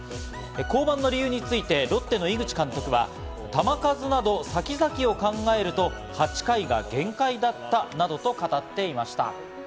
降板の理由についてロッテの井口監督は球数など先々を考えると８回が限界だったなどと語っていました。